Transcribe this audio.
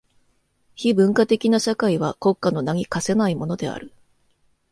非文化的な社会は国家の名に価せないものである。